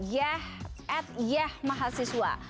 yeh ed yeh mahasiswa